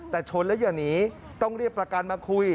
แต่ชนแล้วอย่าหนีต้องเรียกประกันมาคุย